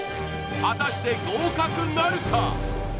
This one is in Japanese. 果たして合格なるか？